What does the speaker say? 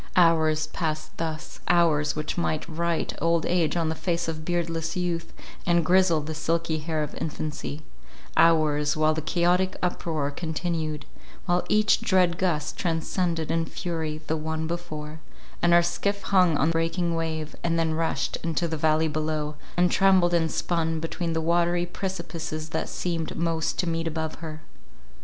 Hours passed thus—hours which might write old age on the face of beardless youth, and grizzle the silky hair of infancy— hours, while the chaotic uproar continued, while each dread gust transcended in fury the one before, and our skiff hung on the breaking wave, and then rushed into the valley below, and trembled and spun between the watery precipices that seemed most to meet above her.